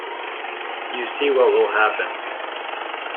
You see what will happen.